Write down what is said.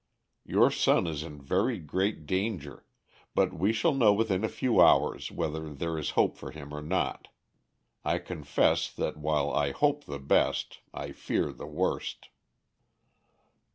Your son is in very great danger; but we shall know within a few hours whether there is hope for him or not. I confess that while I hope the best I fear the worst."